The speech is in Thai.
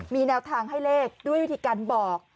มีแนวทางให้เลขด้วยวิธีการบอก